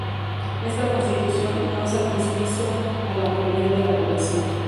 Esta Constitución no satisfizo a la mayoría de la población.